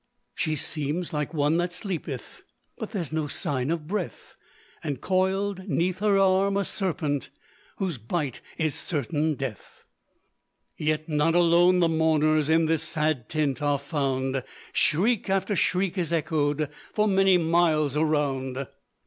She seems like one that sleepeth, But there's no sign of breath; And coil'd 'neath her arm a serpent, Whose bite is certain death. Yet not alone the mourners In this sad tent are found; Shriek after shriek is echoed For many miles around.